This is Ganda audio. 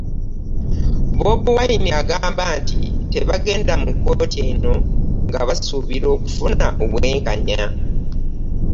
Bobi Wine agamba nti tebagenda mu kkooti eno nga basuubira okufuna obwenkanya